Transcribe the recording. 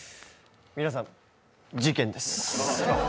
皆さん、事件です。